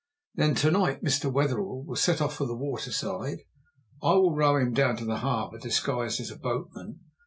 Then to night Mr. Wetherell will set off for the water side. I will row him down the harbour disguised as a boatman.